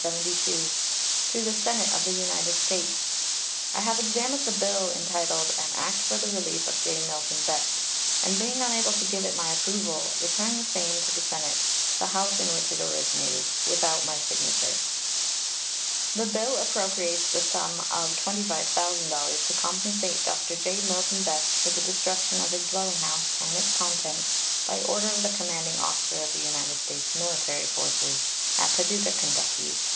To the Senate of the United States: I have examined the bill entitled "An act for the relief of J. Milton Best," and, being unable to give it my approval, return the same to the Senate, the House in which it originated, without my signature. The bill appropriates the sum of $25,000 to compensate Dr. J. Milton Best for the destruction of his dwelling house and its contents by order of the commanding officer of the United States military forces at Paducah, Ky.